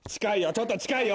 ちょっと近いよ